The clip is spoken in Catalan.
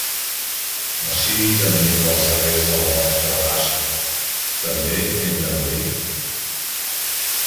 Ací teniu els darrers de la nostra raça, ¿també hem de morir?